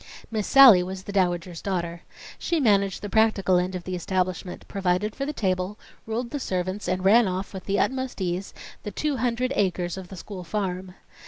Miss Sallie was the Dowager's daughter. She managed the practical end of the establishment provided for the table, ruled the servants, and ran off, with the utmost ease, the two hundred acres of the school farm.